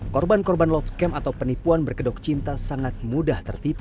korban korban love scam atau penipuan berkedok cinta sangat mudah tertipu